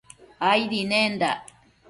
Aidi nendac